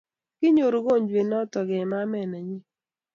konyor ungojwet noton eng ma met ne nyin